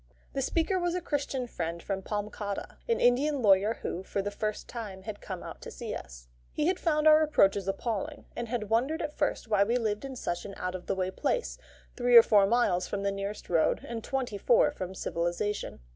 The speaker was a Christian friend from Palamcottah, an Indian lawyer who, for the first time, had come out to see us. He had found our approaches appalling, and had wondered at first why we lived in such an out of the way place, three or four miles from the nearest road, and twenty four from civilisation.